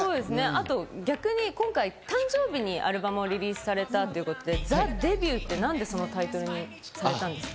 あと逆に今回、誕生日にアルバムをリリースされたってことで、『ＴＨＥＤＥＢＵＴ』、何でそのタイトルにされたんですか？